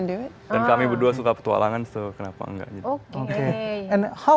dan kami berdua suka petualangan jadi kenapa tidak